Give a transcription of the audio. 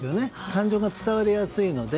感情が伝わりやすいので。